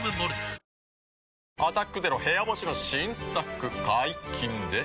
くーーーーーっ「アタックＺＥＲＯ部屋干し」の新作解禁です。